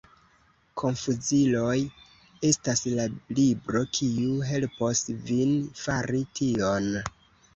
Konfuziloj estas la libro, kiu helpos vin fari tion.